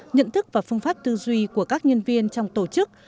nhận thức và phương pháp tư duy của các nhân viên trong tổ chức